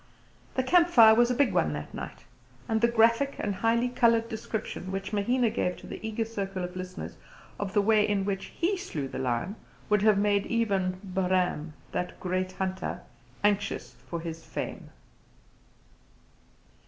The camp fire was a big one that night, and the graphic and highly coloured description which Mahina gave to the eager circle of listeners of the way in which we slew the lion would have made even "Bahram, that great Hunter," anxious for his fame.